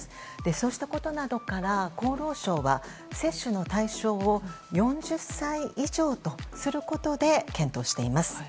そうしたことなどから厚労省は、接種の対象を４０歳以上とすることで検討しています。